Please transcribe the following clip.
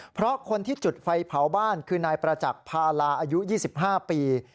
เพราะคนที่จุดไฟเผาบ้านคือนายประจักษ์พาลาอายุ๒๕ปี